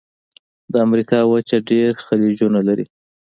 د امریکا وچه ډېر خلیجونه لري.